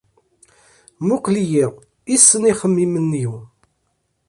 Muqqel-iyi, issin ixemmimen-iw!